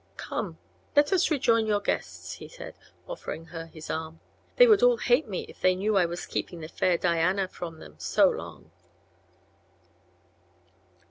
"Come; let us rejoin your guests," said he, offering her his arm. "They would all hate me if they knew I was keeping the fair Diana from them so long."